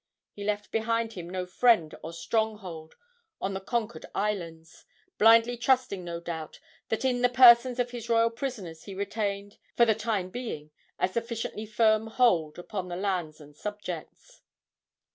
He left behind him no friend or stronghold on the conquered islands, blindly trusting, no doubt, that in the persons of his royal prisoners he retained, for the time being, a sufficiently firm hold upon their lands and subjects.